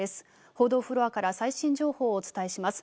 報道フロアから最新情報をお伝えします。